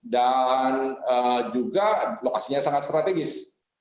juga lokasinya sangat strategis